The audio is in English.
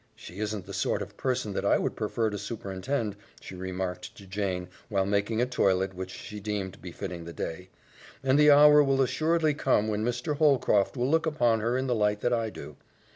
"She isn't the sort of person that I would prefer to superintend," she remarked to Jane while making a toilet which she deemed befitting the day, "and the hour will assuredly come when Mr. Holcroft will look upon her in the light that I do.